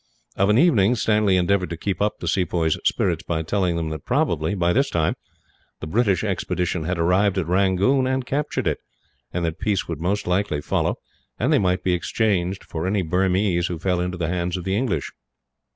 Of an evening, Stanley endeavoured to keep up the sepoys' spirits by telling them that probably, by this time, the British expedition had arrived at Rangoon, and captured it; and that peace would most likely follow, and they might be exchanged for any Burmese who fell into the hands of the English.